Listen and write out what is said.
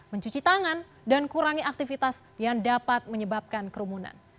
mencuci tangan dan kurangi aktivitas yang dapat menyebabkan kerumunan